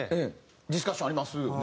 ディスカッションありますよね？